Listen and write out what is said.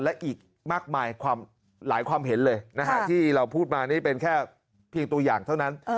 และอีกมากมายความเห็นที่เราพูดมา